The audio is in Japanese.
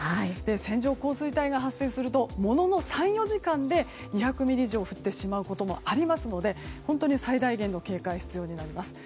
線状降水帯が発生するとものの３４時間で２００ミリ以上降ってしまうこともありますので本当に最大限の警戒が必要になります。